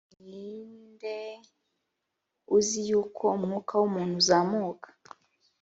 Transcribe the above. ni nde uzi yuko umwuka w umuntu uzamuka